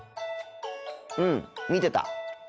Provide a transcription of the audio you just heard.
うん見てた。